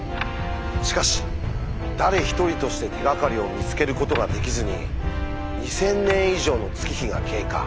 しかし誰一人として手がかりを見つけることができずに２，０００年以上の月日が経過。